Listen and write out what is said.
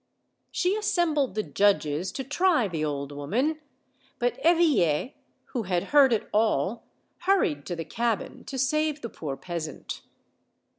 She assembled the judges to try the old woman, but Eveille, who had heard it all, hurried to the cabin to save the poor peasant.